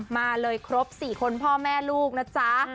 มาเลยครบ๔คนพ่อแม่ลูกนะจ๊ะ